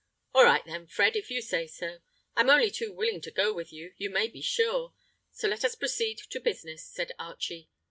"All right then, Fred, if you say so. I'm only too willing to go with you, you may be sure. So let us proceed to business," said Archie.